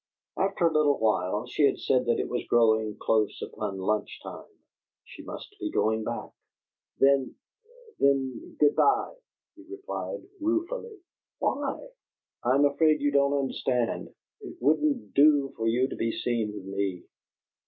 After a little while she had said that it was growing close upon lunch time; she must be going back. "Then then good bye," he replied, ruefully. "Why?" "I'm afraid you don't understand. It wouldn't do for you to be seen with me.